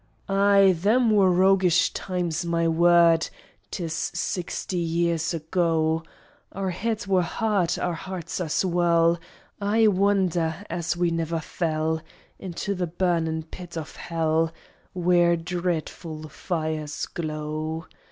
Aye them wor roughish times my word! 'Tis sixty year ago; Our heads wor hard, our hearts as well, I wonder as we niver fell, Into the burnin' pit of hell, Wheer dreadful fires glow.